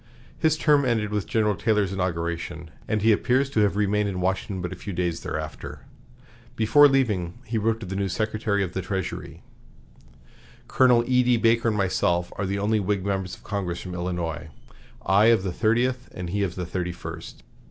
His term ended with General Taylor's inauguration, and he appears to have remained in Washington but a few days thereafter. Before leaving, he wrote to the new Secretary of the Treasury: "Colonel E.D. Baker and myself are the only Whig members of Congress from Illinois I of the Thirtieth, and he of the Thirty first.